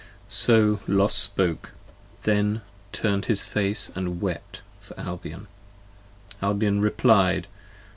So Los spoke: then turn'd his face & wept for Albion. Albion replied.